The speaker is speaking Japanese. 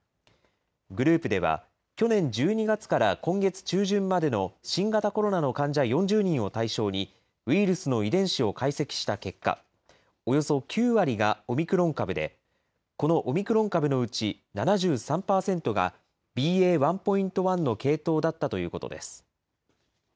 グループでは、去年１２月から今月中旬までの新型コロナの患者４０人を対象にウイルスの遺伝子を解析した結果、およそ９割がオミクロン株で、このオミクロン株のうち７３％が、ＢＡ．１．１の系統だったということです。